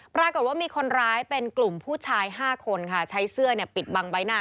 ปรากฏว่ามีคนร้ายเป็นกลุ่มผู้ชาย๕คนค่ะใช้เสื้อปิดบังใบหน้า